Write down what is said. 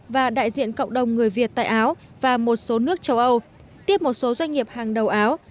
và đại diện cộng đồng người việt tại áo và một số nước châu âu tiếp một số doanh nghiệp hàng đầu áo